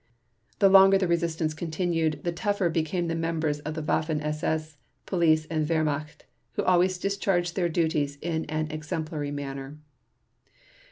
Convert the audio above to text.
The longer the resistance continued, the tougher became the members of the Waffen SS, Police and Wehrmacht, who always discharged their duties in an exemplary manner.